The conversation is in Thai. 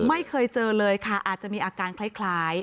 ไม่เคยเจอเลยค่ะอาจจะมีอาการคล้าย